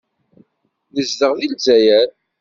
Nezdeɣ deg Lezzayer.